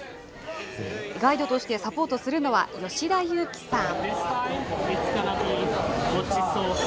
ガイドとしてサポートするのは、吉田悠生さん。